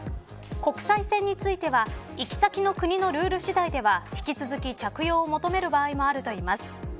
国際線については、行き先の国のルール次第では引き続き着用を求める場合もあるといいます。